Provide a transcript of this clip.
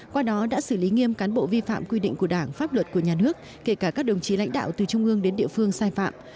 qua đó đã xử lý nghiêm cán bộ vi phạm quy định của đảng pháp luật của nhà nước kể cả các đồng chí lãnh đạo từ trung ương đến địa phương sai phạm